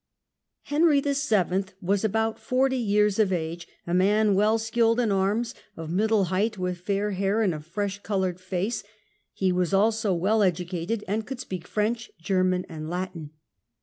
Heiiry Henry VII. was about forty years of age, a man well ms' ^^^^' skilled in arms, of middle height, with fair hair and a fresh coloured face ; he was also well educated and could speak French, German and Latin.